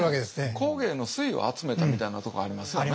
工芸の粋を集めたみたいなとこはありますよね。